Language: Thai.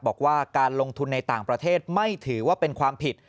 บอกว่าการลงทุนในต่างประเทศไม่ถือว่าเป็นความผิด